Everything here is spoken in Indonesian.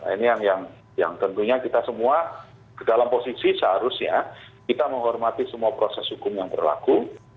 ini yang tentunya kita semua dalam posisi seharusnya kita menghormati semua proses hukum yang berlaku